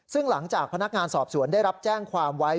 ซึ่งหลังจากพนักงานสอบสวนได้รับแจ้งความไว้